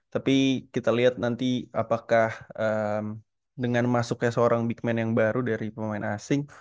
tapi kita lihat nanti apakah dengan masuknya seorang big man yang baru dari pemain asing